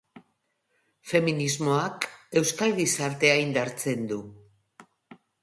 Feminismoak euskal gizartea indartzen du.